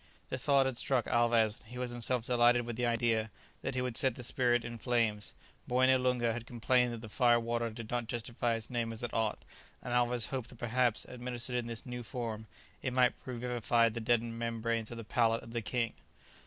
The thought had struck Alvez, and he was himself delighted with the idea, that he would set the spirit in flames. Moené Loonga had complained that the "fire water" did not justify its name as it ought, and Alvez hoped that perhaps, administered in this new form, it might revivify the deadened membranes of the palate of the king.